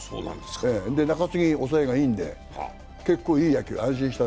中継ぎ、抑えがいいので、結構いい野球、安心した。